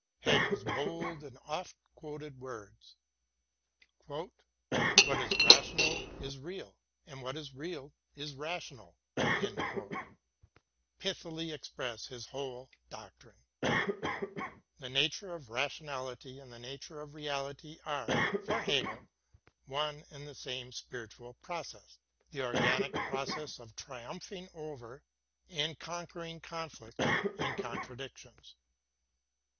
Hegel's bold and oft quoted words: "What is rational is real; and what is real is rational," pithily express his whole doctrine. The nature of ration ality and the nature of reality are, for Hegel, one and the same spiritual process, the organic process of triumphing over and conquering conflicts and contradictions.